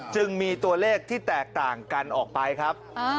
จึงมีตัวเลขที่แตกต่างกันออกไปครับ